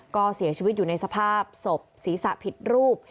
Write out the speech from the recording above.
ก็เสียชีวิตอยู่ในสภาพศพศีรษะผิดรูป